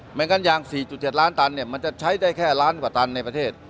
อย่างนั้นยาง๔๗ล้านตันมันจะใช้ได้แค่ล้านกว่าตันในประเทศ